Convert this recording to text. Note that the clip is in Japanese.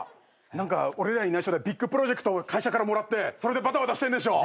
何か俺らに内緒でビッグプロジェクト会社からもらってそれでバタバタしてんでしょ？